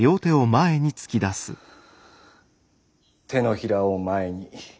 手のひらを前に。